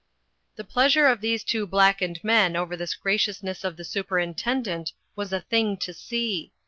The pleasure of these two blackened men over this graciousness of the superintendent was a thing to see.